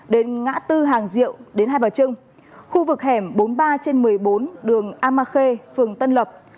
đến ngã tư hàng diệu đến hai bà trưng khu vực hẻm bốn mươi ba trên một mươi bốn đường ama khê phường tân lập